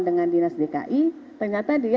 dengan dinas dki ternyata